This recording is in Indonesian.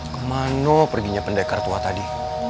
kemana perginya pendekar tua tadi